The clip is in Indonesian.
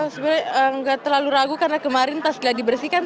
sebenarnya enggak terlalu ragu karena kemarin tas tidak dibersihkan